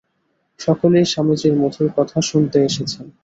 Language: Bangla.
সকলেই স্বামীজীর মধুর কথা শুনতে এসেছেন।